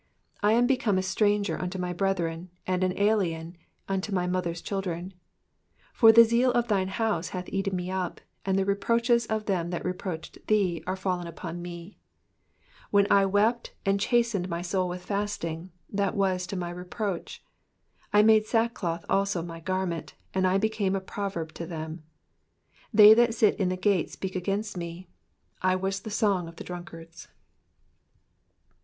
8 I am become a stranger unto my brethren, and an alien unto* my mother's children. 9 For the zeal of thine house hath eaten me up •, and the re proaches of them that reproached thee are fallen upon me, ID When I wept, and chastened my soul with fasting, that was to my reproach. Digitized by VjOOQIC PSALM THE SIXTY NIKTH. 261 III made sackcloth also my garment ; and I became a proverb to them, 12 They that sit in the gate speak against me ; and I was the song of the drunkards.